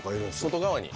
外側に？